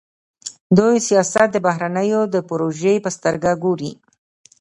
دوی سیاست د بهرنیو د پروژې په سترګه ګوري.